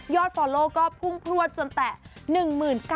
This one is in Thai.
ยอดฟอลลอก็พุ่งพลวดจนแตะ๑๙๐๐๐คน